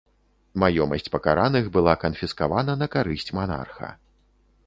Маёмасць пакараных была канфіскавана на карысць манарха.